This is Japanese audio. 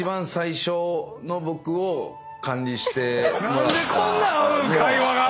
何でこんな合うん⁉会話が。